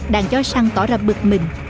đàn chó săn tỏ ra bực mình